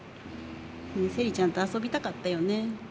セリちゃんと遊びたかったよね。